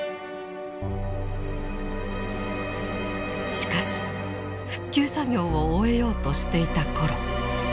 しかし復旧作業を終えようとしていた頃。